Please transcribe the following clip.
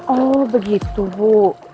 oh begitu bu